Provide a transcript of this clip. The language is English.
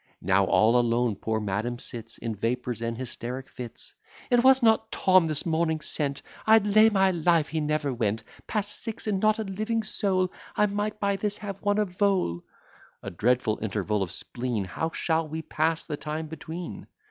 Now all alone poor madam sits In vapours and hysteric fits; "And was not Tom this morning sent? I'd lay my life he never went; Past six, and not a living soul! I might by this have won a vole." A dreadful interval of spleen! How shall we pass the time between?